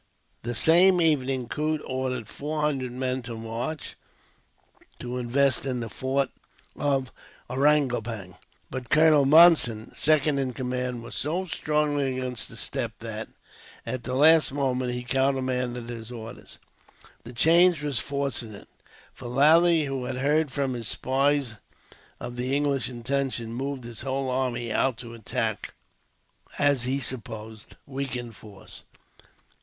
The same evening Coote ordered four hundred men to march to invest the fort of Ariangopang; but Colonel Monson, second in command, was so strongly against the step that, at the last moment, he countermanded his orders. The change was fortunate, for Lally, who had heard from his spies of the English intentions, moved his whole army out to attack the as he supposed weakened force.